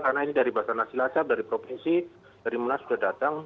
karena ini dari basarnas silasab dari provinsi dari munas sudah datang